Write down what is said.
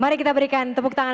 mari kita berikan tepuk tangan